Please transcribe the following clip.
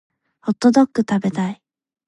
ホットドック食べたい